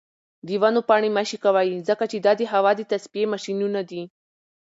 د ونو پاڼې مه شکوئ ځکه چې دا د هوا د تصفیې ماشینونه دي.